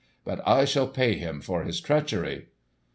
But I shall pay him for his treachery!